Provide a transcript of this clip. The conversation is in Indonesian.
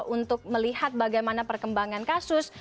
untuk melihat bagaimana perkembangan kasus